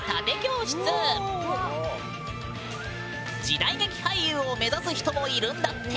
時代劇俳優を目指す人もいるんだって！